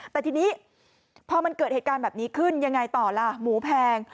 แต่ทีนี้พอมันเกิดเหตุการณ์แบบนี้ขึ้นยังไงต่อล่ะหมูแพง